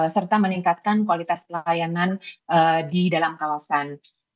serta meningkatkan kualitas pelayanan di dalam kawasan